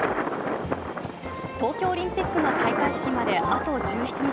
東京オリンピックの開会式まであと１７日。